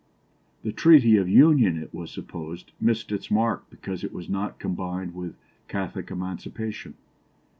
The Treaty of Union, it was supposed, missed its mark because it was not combined with Catholic Emancipation.